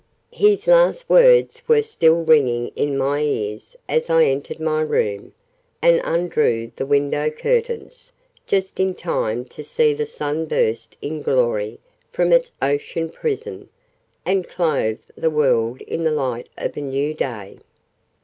His last words were still ringing in my ears as I entered my room, and undrew the window curtains, just in time to see the sun burst in glory from his ocean prison, and clothe the world in the light of a new day.